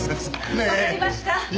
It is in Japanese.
わかりました。